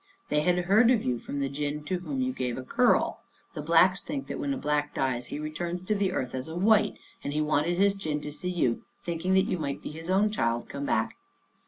They had heard of you from the gin to whom you gave a curl. The Blacks think that when a Black dies he returns to the earth as a white, and he wanted his gin to see you, thinking that you might be his own child come back."